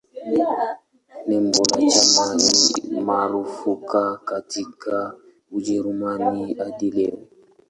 Nembo la chama ni marufuku katika Ujerumani hadi leo.